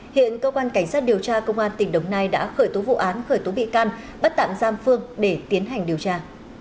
hiện cơ quan cảnh sát điều tra công an tỉnh đồng nai đã khởi tố vụ án khởi tố bị can bắt tạm giam phương để tiến hành điều tra